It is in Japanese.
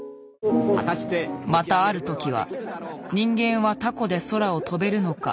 またある時は人間は凧で空を飛べるのか？